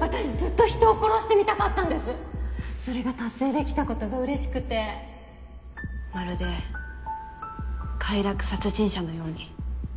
私ずっと人を殺してみたかったんですそれが達成できたことが嬉しくてまるで快楽殺人者のように。